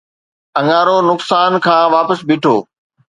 اڱارو نقصان کان واپس بيٺو